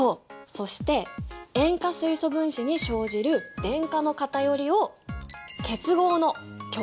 そして塩化水素分子に生じる電荷の偏りを結合の極性というんだ。